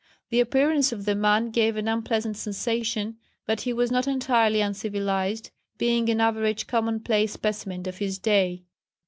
The appearance of the man gave an unpleasant sensation, but he was not entirely uncivilised, being an average common place specimen of his day."